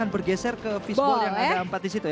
bergeser ke fishbowl yang ada empat disitu ya